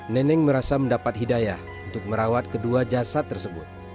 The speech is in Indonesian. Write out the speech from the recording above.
neneng merasa mendapat hidayah untuk merawat kedua jasad tersebut